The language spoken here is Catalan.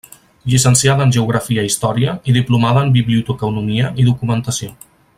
Llicenciada en geografia i història, i diplomada en biblioteconomia i documentació.